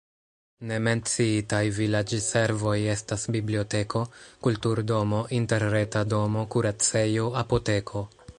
Ne menciitaj vilaĝservoj estas biblioteko, kulturdomo, interreta domo, kuracejo, apoteko.